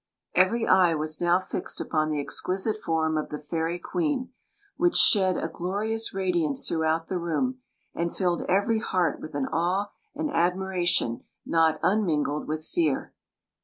Every eye was now fixed upon the exquisite form of the fairy queen, which shed a glorious radiance throughout the room, and filled every heart with an aw« and admtratkm not unmingled with fear.